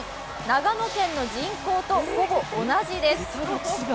長野県の人口とほぼ同じです。